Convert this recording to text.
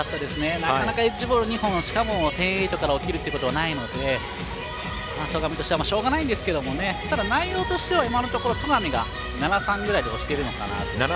なかなかエッジボール２本しかも、１０−８から起きるということはないんですが戸上としてはしょうがないんですけど内容としては今のところ戸上が７−３ぐらいで押しているのかなと。